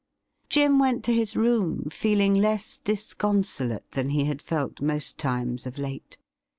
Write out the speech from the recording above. Jim went to his room feeling less disconsolate than he had felt most times of late.